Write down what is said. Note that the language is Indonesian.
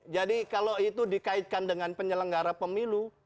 jadi kalau itu dikaitkan dengan penyelenggara pemilu